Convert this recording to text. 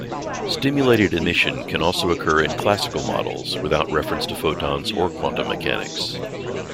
Stimulated emission can also occur in classical models, without reference to photons or quantum-mechanics.